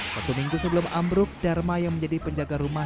satu minggu sebelum ambruk dharma yang menjadi penjaga rumah